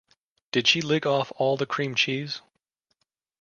Did she lick off all the cream cheese?